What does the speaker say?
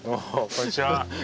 こんにちは！